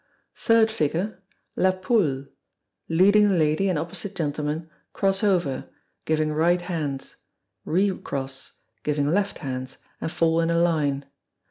Third Figure, La Poule. Leading lady and opposite gentleman cross over, giving right hands; recross, giving left hands, and fall in a line.